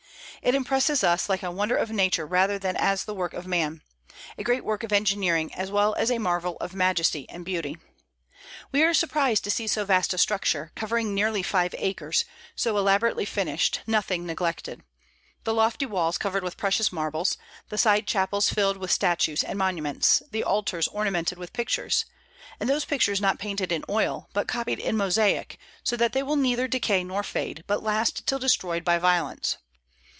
It impresses us like a wonder of nature rather than as the work of man, a great work of engineering as well as a marvel of majesty and beauty. We are surprised to see so vast a structure, covering nearly five acres, so elaborately finished, nothing neglected; the lofty walls covered with precious marbles, the side chapels filled with statues and monuments, the altars ornamented with pictures, and those pictures not painted in oil, but copied in mosaic, so that they will neither decay nor fade, but last till destroyed by violence.